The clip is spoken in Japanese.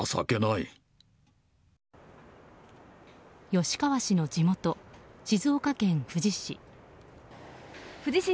吉川氏の地元静岡県富士市。